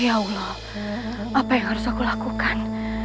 ya allah apa yang harus aku lakukan